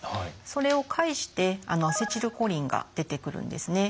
それを介してアセチルコリンが出てくるんですね。